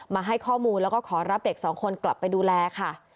มาให้ข้อมูลแล้วก็ขอรับเด็กสองคนกลับไปดูแลค่ะ